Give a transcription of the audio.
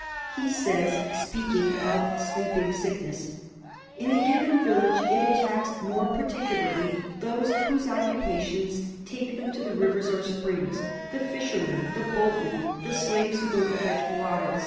He says, speaking of Sleeping Sickness, "In a given village it attacks more parti cularly those whose occupations take them to the rivers or springs — the fishermen, the boatmen, the slaves who go to fetch water, etc.